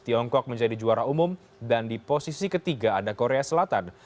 tiongkok menjadi juara umum dan di posisi ketiga ada korea selatan